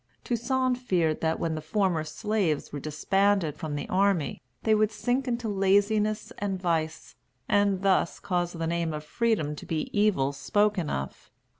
Toussaint feared that when the former slaves were disbanded from the army they would sink into laziness and vice, and thus cause the name of freedom to be evil spoken of.